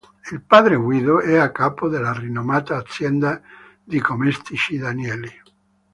Il padre Guido è a capo della rinomata azienda di cosmetici Danieli.